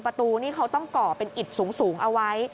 ประตูนี่เขาต้องก่อเป็นอิดสูงเอาไว้